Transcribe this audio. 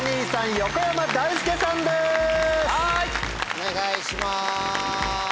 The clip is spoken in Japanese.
お願いします。